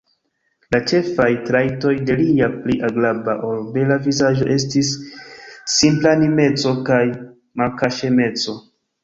La ĉefaj trajtoj de lia pli agrabla, ol bela vizaĝo estis simplanimeco kaj malkaŝemeco.